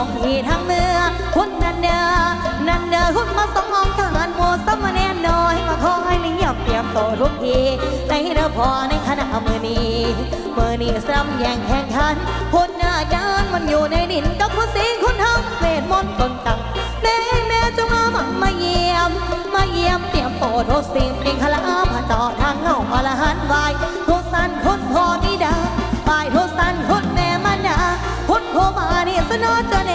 น้ำน้ำน้ำน้ำน้ำน้ำน้ำน้ำน้ำน้ำน้ำน้ำน้ำน้ำน้ำน้ำน้ำน้ำน้ำน้ำน้ำน้ำน้ำน้ำน้ำน้ำน้ำน้ำน้ำน้ำน้ำน้ำน้ำน้ำน้ำน้ำน้ำน้ำน้ำน้ำน้ำน้ำน้ำน้ำน้ำน้ำน้ำน้ำน้ำน้ำน้ำน้ำน้ำน้ำน้ำน